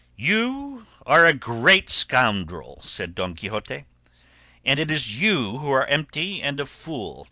"You are a great scoundrel," said Don Quixote, "and it is you who are empty and a fool.